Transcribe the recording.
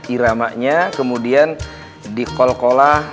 iramanya kemudian di kol kolah